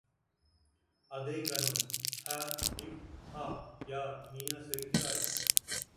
அதே கணம்– ஹ ஹ் ஹா! யார், நீயா சிரிக்கிறாய்?